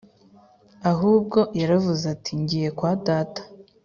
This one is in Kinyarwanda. ahubwo yaravuze ati njyiye kwa data